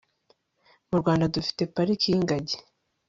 murwanda dufite parike yingagi